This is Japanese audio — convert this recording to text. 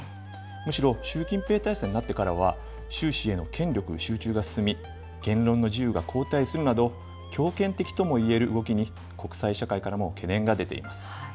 むしろ、習近平体制になってからは、習氏への権力集中が進み、言論の自由が後退するなど、強権的ともいえる動きに、国際社会からも懸念が出ています。